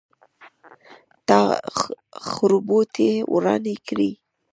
تا خربوټي څه ورانی کړی.